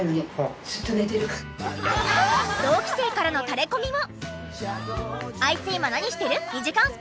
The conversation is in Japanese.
同期生からのタレコミも！